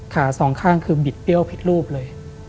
สองข้างคือบิดเปรี้ยวผิดรูปเลย